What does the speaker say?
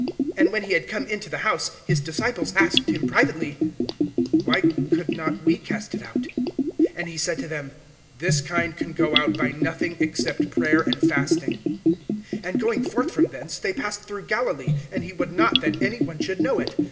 (28)And when he had come into the house, his disciples asked him privately: Why could not we cast it out? (29)And he said to them: This kind can go out by nothing, except by prayer and fasting. (30)And going forth from thence, they passed through Galilee and he would not that any one should know it.